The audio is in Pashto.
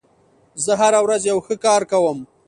زه هره ورځ یو ښه کار کوم.